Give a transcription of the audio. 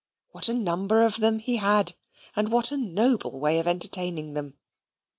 What a number of them he had; and what a noble way of entertaining them.